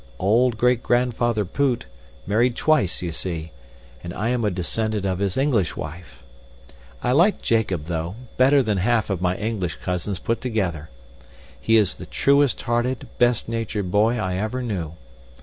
Old Great grandfather Poot married twice, you see, and I am a descendant of his English wife. I like Jacob, though, better than half of my English cousins put together. He is the truest hearted, best natured boy I ever knew.